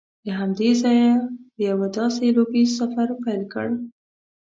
له همدې ځایه یې د یوه داسې لوبیز سفر پیل وکړ